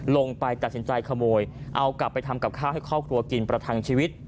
ลงไปตัดสินใจขโมยเอากลับไปทำกับข้าวให้ครอบครัวกินประทังชีวิต